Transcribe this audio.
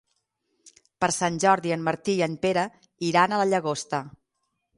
Per Sant Jordi en Martí i en Pere iran a la Llagosta.